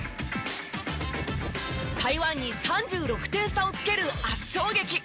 台湾に３６点差をつける圧勝劇。